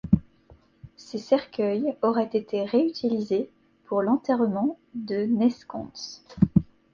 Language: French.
Ses cercueils auraient été réutilisés pour l'enterrement de Neskhons.